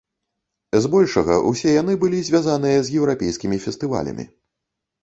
З большага ўсе яны былі звязаныя з еўрапейскімі фестывалямі.